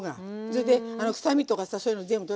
それで臭みとかさそういうの全部。